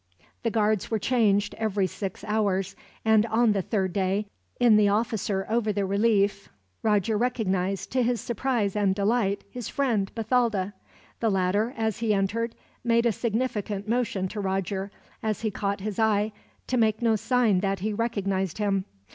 The guards were changed every six hours, and on the third day, in the officer over the relief, Roger recognized, to his surprise and delight, his friend Bathalda. The latter, as he entered, made a significant motion to Roger, as he caught his eye, to make no sign that he recognized him.